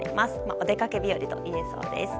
お出かけ日和といえそうです。